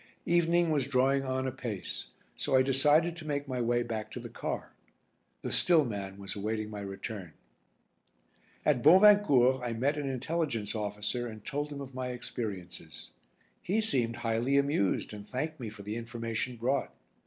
Evening was drawing on apace, so I decided to make my way back to the car. The "still" man was awaiting my return. At Bovincourt I met an Intelligence Officer and told him of my experiences. He seemed highly amused and thanked me for the information brought.